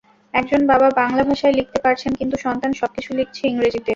একজন বাবা বাংলা ভাষায় লিখতে পারছেন কিন্তু সন্তান সবকিছু লিখছে ইংরেজিতে।